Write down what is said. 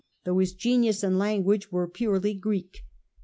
191 though his genius and language were purely Greek.